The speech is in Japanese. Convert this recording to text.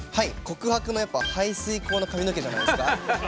「告白」のやっぱ「排水溝の髪の毛」じゃないですか。